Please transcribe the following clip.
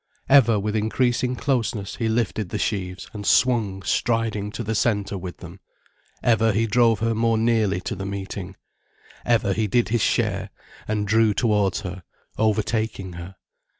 Ever with increasing closeness he lifted the sheaves and swung striding to the centre with them, ever he drove her more nearly to the meeting, ever he did his share, and drew towards her, overtaking her.